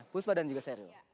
puspa dan juga serio